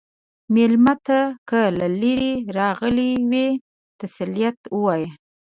مېلمه ته که له لرې راغلی وي، تسلیت وایه.